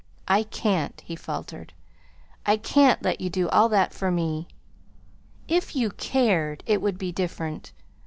"I can't," he faltered. "I can't let you do all that for me. If you CARED it would be different.